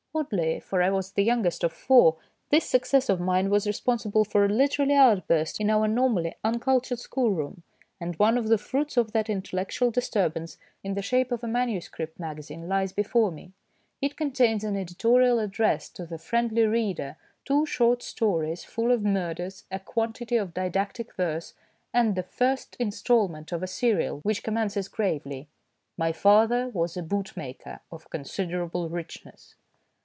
Oddly, for I was the youngest of four, this success of mine was responsible for a literary outburst in our normally uncultured schoolroom, and one of the fruits of that intellectual disturbance, in the shape of a manuscript magazine, lies before me. It contains an editorial address to the " friendly reader," two short stories full of murders, a quantity of didactic verse, and the first instalment of a serial, which commences gravely :" My father was a bootmaker of considerable richness."